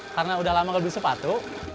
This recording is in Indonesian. karena udah lama nggak beli sepatu